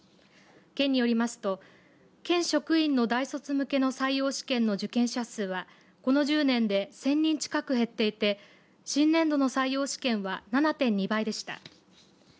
県によりますと県職員の大卒向けの採用試験の受験者数はこの１０年で１０００人近く減っていて新年度の採用試験は７．２倍でした。